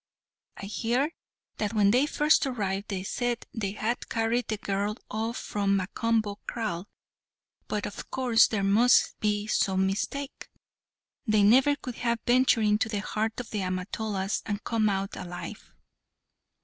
I hear that when they first arrived they said they had carried the girl off from Macomo's kraal, but of course there must be some mistake; they never could have ventured into the heart of the Amatolas and come out alive."